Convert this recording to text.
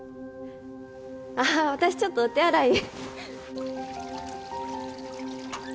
ああ私ちょっとお手洗いに。